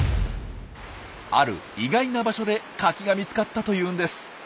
ある意外な場所でカキが見つかったというんです。